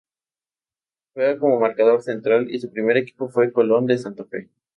Juega como marcador central y su primer equipo fue Colón de Santa Fe.